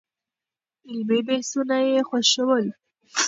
علمي بحثونه يې خوښول.